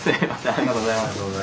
ありがとうございます。